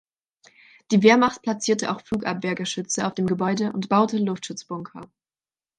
Die Wehrmacht platzierte auch Flugabwehrgeschütze auf dem Gebäude und baute Luftschutzbunker.